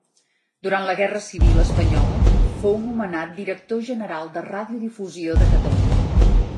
Durant la guerra civil espanyola fou nomenat Director General de Radiodifusió de Catalunya.